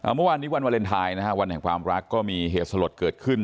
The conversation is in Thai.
เมื่อวานนี้วันวาเลนไทยนะฮะวันแห่งความรักก็มีเหตุสลดเกิดขึ้น